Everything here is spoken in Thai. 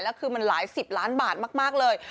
แล้วคือมันหลายสิบล้านบาทมากเลย